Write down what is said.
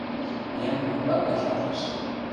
— Еҥ ӱмбак кержалтеш.